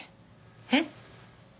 えっ？